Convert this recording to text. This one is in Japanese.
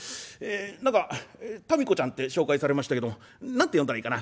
何かたみこちゃんって紹介されましたけども何て呼んだらいいかな？